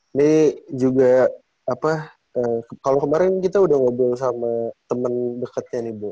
ini juga apa kalau kemarin kita udah ngobrol sama temen deketnya nih bu